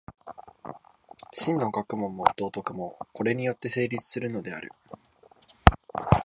真の学問も道徳も、これによって成立するのである。